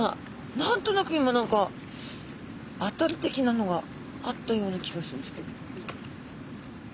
何となく今何かアタリ的なのがあったような気がするんですけど。